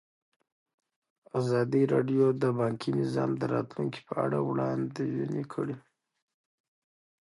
ازادي راډیو د بانکي نظام د راتلونکې په اړه وړاندوینې کړې.